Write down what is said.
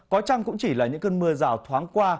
có chăng cũng chỉ là những cơn mưa rào thoáng qua